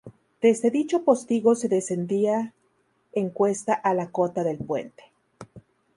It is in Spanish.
Desde dicho postigo se descendía en cuesta a la cota del puente.